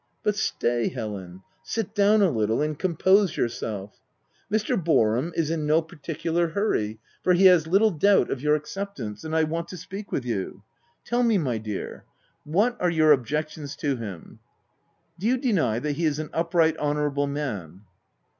" But stay Helen ; sit down a little, and compose yourself. Mr. Boarham is in no par ticular hurry, for he has little doubt of your acceptance ; and I want to speak with you. Tell me, my dear, what are your objections to him ? Do you deny that he is an upright, hon ourable man